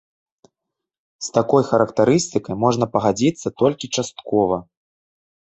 З такой характарыстыкай можна пагадзіцца толькі часткова.